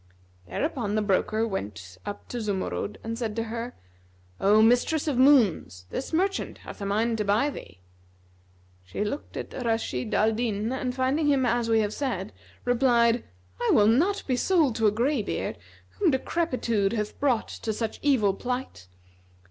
Thereupon the broker went up to Zumurrud and said to her, "O mistress of moons this merchant hath a mind to buy thee." She looked at Rashid al Din and finding him as we have said, replied, "I will not be sold to a gray beard, whom decrepitude hath brought to such evil plight.